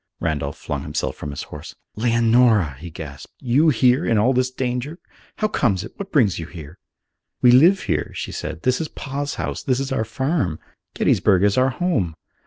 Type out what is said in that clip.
Randolph flung himself from his horse. "Leonora!" he gasped. "You here! In all this danger! How comes it? What brings you here?" "We live here," she said. "This is Pa's house. This is our farm. Gettysburg is our home.